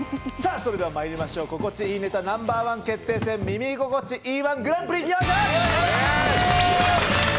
それではまいりましょう、心地いいネタＮｏ．１決定戦「耳心地いい−１グランプリ」！